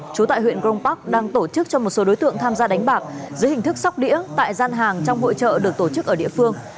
trú tại huyện grong park đang tổ chức cho một số đối tượng tham gia đánh bạc dưới hình thức sóc đĩa tại gian hàng trong hội trợ được tổ chức ở địa phương